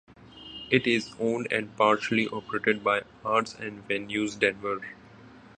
It is owned and partially operated by Arts and Venues Denver.